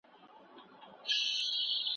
ككرۍ چي يې وهلې د بتانو